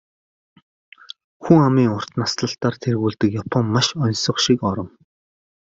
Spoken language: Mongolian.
Хүн амын урт наслалтаар тэргүүлдэг Япон маш оньсого шиг орон.